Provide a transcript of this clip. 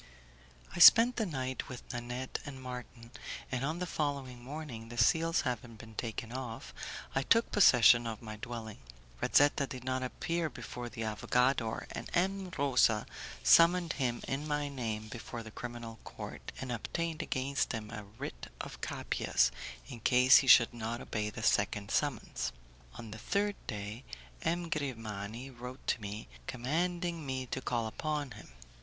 I spent the night with Nanette and Marton, and on the following morning, the seals having been taken off, I took possession of my dwelling. Razetta did not appear before the 'avogador', and M. Rosa summoned him in my name before the criminal court, and obtained against him a writ of 'capias' in case he should not obey the second summons. On the third day M. Grimani wrote to me, commanding me to call upon him.